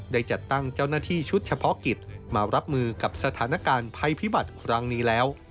ได้จัดตั้งเจ้าหน้าที่ชุดเฉพาะกิจมารับมือกับสถานการณ์ภัยพิบัติครั้งนี้แล้ว